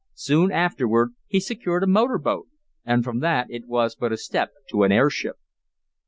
Soon afterward he secured a motor boat and from that it was but a step to an airship.